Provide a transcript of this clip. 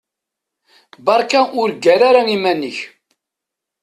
Beṛka ur ggar ara iman-ik.